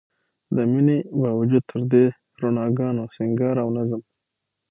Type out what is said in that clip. د مينې باوجود تر دې رڼاګانو، سينګار او نظم